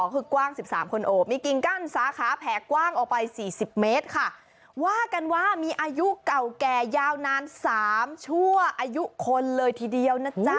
พวกเก่าแก่ยาวนาน๓ชั่วอายุคนเลยทีเดียวนะจ๊ะ